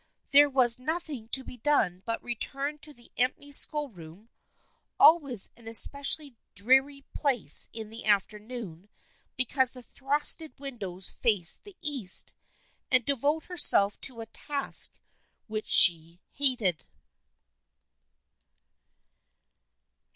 There was THE FKIENDSHIP OF ANNE 301 nothing to be done but return to the empty schoolroom (always an especially dreary place in the afternoon because the frosted windows faced the east) and devote herself to a task which she hated.